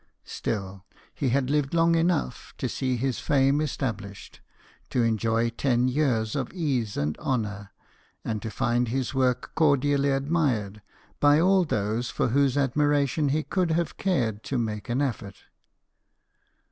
Still, he had lived lon^ enough to see his fame established, to enjoy ten years of ease and honour, and to find, his work cordially admired by all those for 134 BIOGRAPHIES OF WORKING MEN. whose admiration he could have cared to make an effort.